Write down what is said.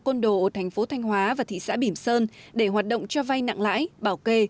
côn đồ ở thành phố thanh hóa và thị xã bỉm sơn để hoạt động cho vay nặng lãi bảo kê